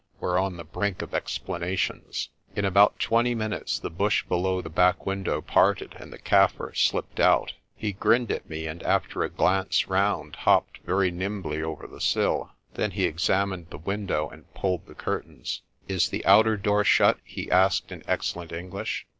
We're on the brink of explanations." In about twenty minutes the bush below the back window parted and the Kaffir slipped out. He grinned at me, and after a glance round, hopped very nimbly over the sill. Then he examined the window and pulled the curtains. "Is the outer door shut?' he asked in excellent English.